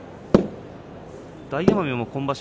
大奄美も今場所